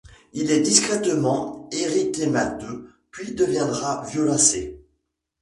Il est discrètement érythémateux, puis deviendra violacé.